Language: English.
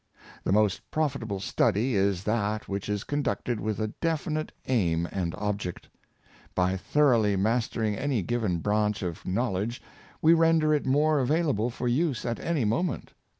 The most profitable study is that which is conducted with a definite aim and object. By thoroughly mastering any given branch of knowledge we render it more available for use at any moment.